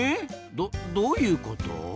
どどういうこと？